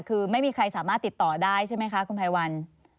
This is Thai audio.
คือไม่มีใครสามารถติดต่อได้ใช่ไหมคะคุณไพรวัน